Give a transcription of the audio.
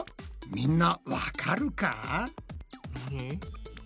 みんなわかるか？